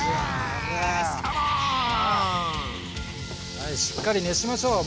はいしっかり熱しましょうもう最後！